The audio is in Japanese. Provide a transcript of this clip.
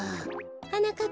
はなかっ